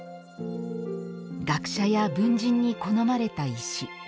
学者や文人に好まれた石。